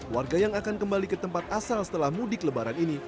warga yang akan kembali ke tempat asal setelah mudik lebaran ini